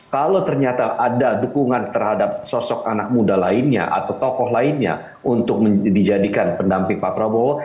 kalau ternyata ada dukungan terhadap sosok anak muda lainnya atau tokoh lainnya untuk dijadikan pendamping pak prabowo